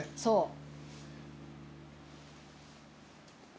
そう。